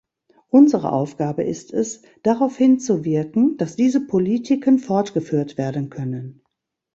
Unsere Aufgabe ist es, daraufhin zu wirken, dass diese Politiken fortgeführt werden können.